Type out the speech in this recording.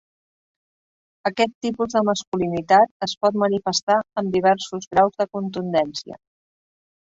Aquest tipus de masculinitat es pot manifestar amb diversos graus de contundència.